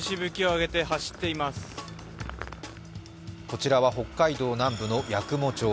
こちらは北海道南部の八雲町。